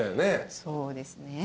そうですね。